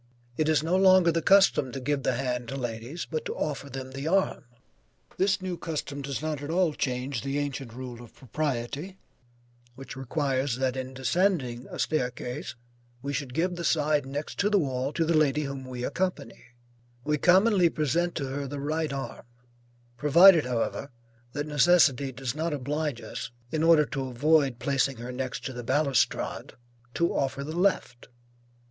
It is no longer the custom to give the hand to ladies, but to offer them the arm. This new custom does not at all change the ancient rule of propriety which requires that in descending a staircase, we should give the side next the wall to the lady whom we accompany; we commonly present to her the right arm, provided however, that necessity does not oblige us, in order to avoid placing her next the balustrade, to offer the left.